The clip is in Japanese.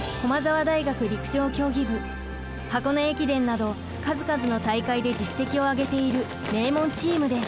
箱根駅伝など数々の大会で実績を挙げている名門チームです。